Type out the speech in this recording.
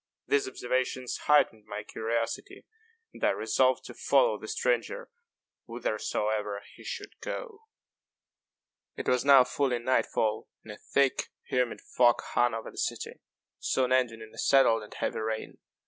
These observations heightened my curiosity, and I resolved to follow the stranger whithersoever he should go. It was now fully night fall, and a thick humid fog hung over the city, soon ending in a settled and heavy rain.